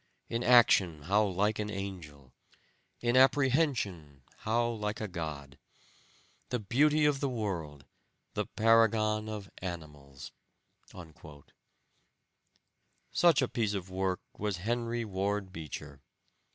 In action how like an angel! In apprehension how like a god! The beauty of the world, the paragon of animals!" Such a piece of work was Henry Ward Beecher.